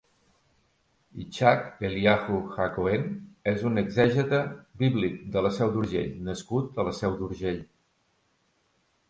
Itshak Eliahu ha-Kohén és un exègeta bíblic de la Seu d'Urgell nascut a la Seu d'Urgell.